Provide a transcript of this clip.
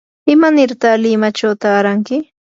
¿imanirta limachaw taaranki?